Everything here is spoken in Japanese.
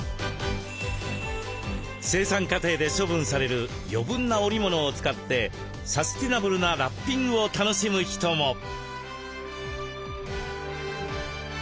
生産過程で処分される余分な織物を使ってサスティナブルなラッピングを楽しむ人も。